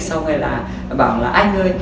xong rồi là bảo là anh ơi